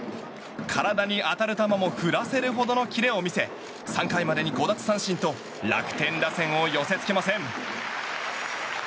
体に当たる球も振らせるほどのキレを見せ３回までに５奪三振と楽天打線を寄せ付けません。